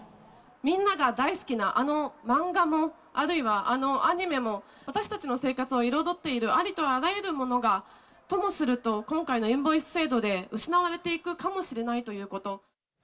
みんなが大好きなあの漫画も、あるいはあのアニメも、私たちの生活を彩っているありとあらゆるものが、ともすると今回のインボイス制度で失われていくかもしれないということ。